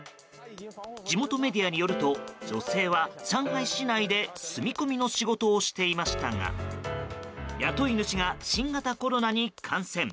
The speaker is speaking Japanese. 地元メディアによると女性は上海市内で住み込みの仕事をしていましたが雇い主が新型コロナに感染。